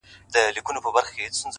هغه مي سرې سترگي زغملای نسي،